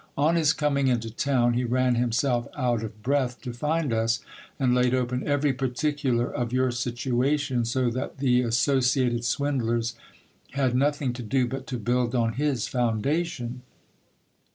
On his coming into town, he ran himself out of breath to find us, and laid open every particular of your situation, so that the associated swindlers had nothing to do but to build on his foundation.